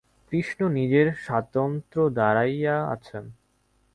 কৃষ্ণ নিজের স্বাতন্ত্র্যে দাঁড়াইয়া আছেন।